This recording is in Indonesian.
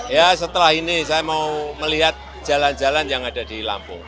ya setelah ini saya mau melihat jalan jalan yang ada di lampung